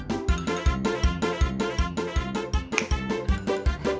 พี่เม่เม่มาแล้วน้องบอส